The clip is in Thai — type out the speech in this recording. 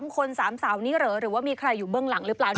๓คน๓สาวนี้เหรอหรือว่ามีใครอยู่เบื้องหลังหรือเปล่า